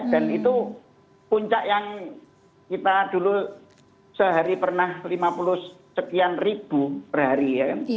dan itu puncak yang kita dulu sehari pernah lima puluh sekian ribu per hari ya kan